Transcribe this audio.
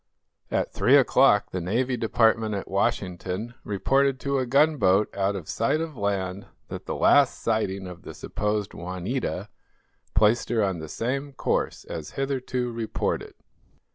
At three o'clock the Navy Department at Washington reported to a gunboat out of sight of land that the last sighting of the supposed "Juanita" placed her on the same course as hitherto reported.